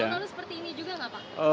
tahun lalu seperti ini juga gak pak